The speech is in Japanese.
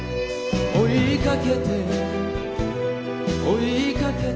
「追いかけて追いかけて」